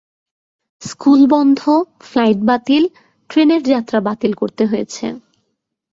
School বন্ধ, flight বাতিল, ট্রেনের যাত্রা বাতিল করতে হয়েছে।